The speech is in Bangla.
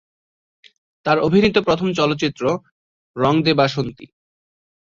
তার অভিনীত প্রথম চলচ্চিত্র "রং দে বাসন্তী"।